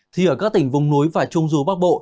thì ở các tỉnh vùng núi và trung du bắc bộ